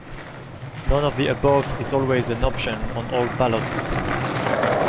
None of the above is always an option on all ballots.